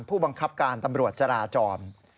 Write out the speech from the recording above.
ผู้บังคับการตำรวจจราจร